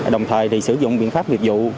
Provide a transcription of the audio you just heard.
đồng thời sử dụng biện pháp nghiệp vụ